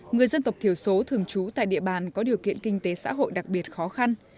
người dân tộc thiểu số thường trú tại địa bàn có điều kiện kinh tế xã hội đặc biệt khó khăn